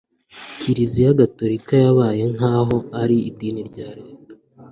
kiliziya gatolika yabaye nk'aho ari idini rya leta